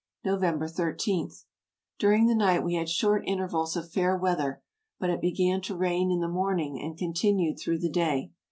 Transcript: "November ij. — During the night we had short inter vals of fair weather, but it began to rain in the morning and continued through the day.